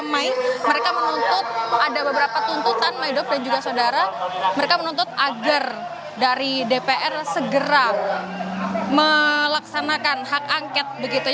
mereka menuntut agar dari dpr segera melaksanakan hak angket